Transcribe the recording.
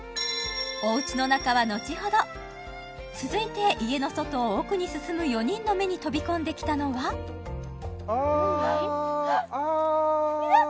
おうちの中はのちほど続いて家の外を奥に進む４人の目に飛び込んできたのはあっあーっ！